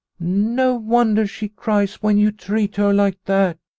" No wonder she cries when you treat her like that.